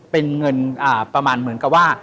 เป็นเงินประมาณเหมือนกับว่า